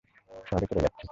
শহরে চলে যাচ্ছি।